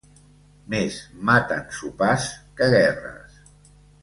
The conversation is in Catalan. Més maten sopars que guerres.